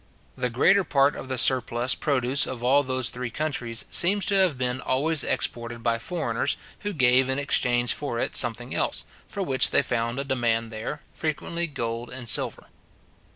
The greater part of the surplus produce of all those three countries seems to have been always exported by foreigners, who gave in exchange for it something else, for which they found a demand there, frequently gold and silver.